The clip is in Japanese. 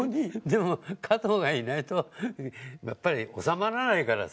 でも加藤がいないとやっぱり収まらないからさ。